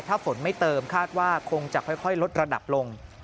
ถ้าฝนไม่เติมคาดว่าคงจะค่อยลดระดับลง